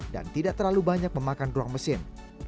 dan tidak terlalu banyak memakan ruang mesin